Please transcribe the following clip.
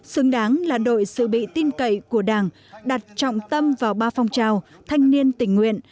xứng đáng là đội sự bị tin cậy của đảng đặt trọng tâm vào ba phong trào thanh niên tình nguyện